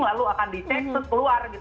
lalu akan dicek terus keluar